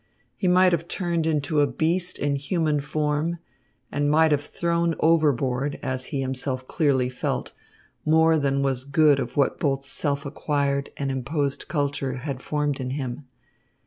He might have turned into a beast in human form, and might have thrown overboard, as he himself clearly felt, more than was good of what both self acquired and imposed culture had formed in him.